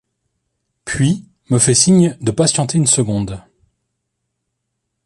Puis me fait signe de patienter une seconde.